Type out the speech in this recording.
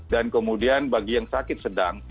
dan kemudian bagi yang sakit sedang